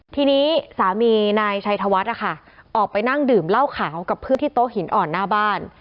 ทีนี้สามีนายชัยธวัฒน์นะคะออกไปนั่งดื่มเหล้าขาวกับเพื่อนที่โต๊ะหินอ่อนหน้าบ้าน